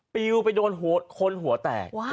ปิวไปโดนคนหัวแตก